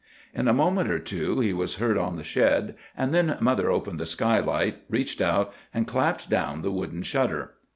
"In a moment or two he was heard on the shed, and then mother opened the skylight, reached out, and clapped down the wooden shutter.